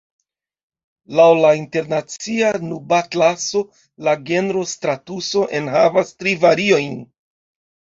Laŭ la Internacia Nubatlaso, la genro stratuso enhavas tri variojn.